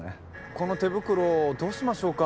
この手袋どうしましょうか？